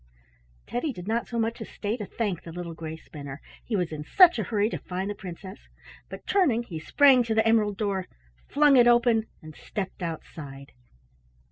Teddy did not so much as stay to thank the little gray spinner, he was in such a hurry to find the princess, but turning he sprang to the emerald door, flung it open, and stepped outside.